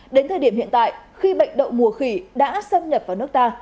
đến thời điểm hiện tại khi bệnh đậu mùa khỉ đã xâm nhập vào nước ta